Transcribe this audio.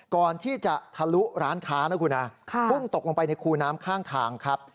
ก่อนที่จะทะลุร้านค้านะคุณฮะพุ่งตกลงไปในคูน้ำข้างทางครับ